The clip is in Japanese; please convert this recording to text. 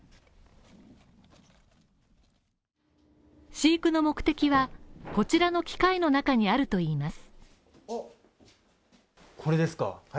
飼育の目的は、こちらの機械の中にあるといいます。